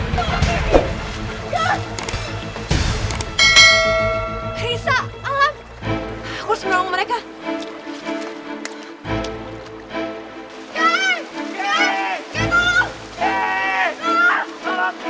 tidak aku harus melakukan sesuatu